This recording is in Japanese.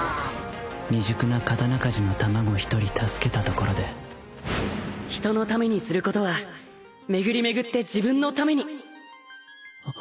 未熟な刀鍛治の卵一人助けたところで人のためにすることは巡り巡って自分のために。